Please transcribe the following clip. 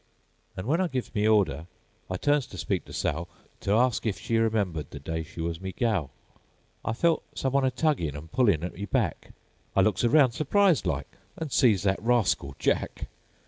'"An' w'en I gives me order,I turns ter speak ter Sal, Ter arsk if she rememberedThe day she was me gal.I felt some one a tuggin'An' pullin' at me back;I looks around surprised like, An' sees that rascal Jack.